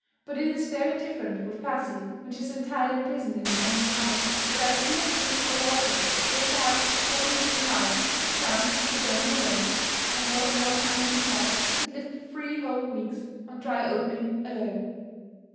But it is very different with pussy, when she is entirely imprisoned in an empty house, without either food or water, save perhaps an occasional mouse which chance may throw in her way. I know of one unhappy cat that lived for three whole weeks, on dry oat meal alone.